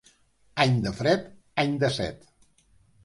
Any de fred, any de set.